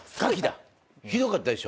ひどかったでしょ？